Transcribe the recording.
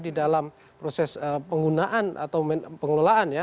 di dalam proses penggunaan atau pengelolaan ya